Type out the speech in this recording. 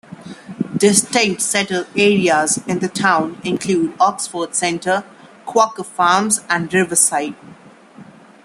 Distinct settled areas in the town include Oxford Center, Quaker Farms, and Riverside.